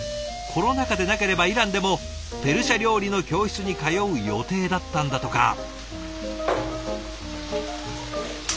コロナ禍でなければイランでもペルシャ料理の教室に通う予定だったんだとか。